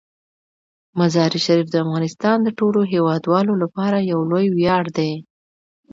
مزارشریف د افغانستان د ټولو هیوادوالو لپاره یو لوی ویاړ دی.